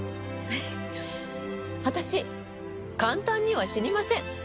私簡単には死にません。